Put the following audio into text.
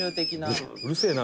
うるせえな。